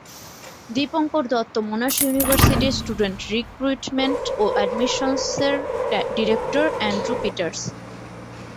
Dipankar Dutta, Monash ইউনিভার্সিটির student recruitment ও এডমিশনসের ডিরেক্টর অ্যান্ড্রু পিটারস।